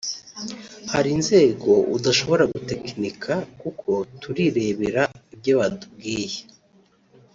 hari inzego udashobora gutekinika kuko turirebera ibyo batubwiye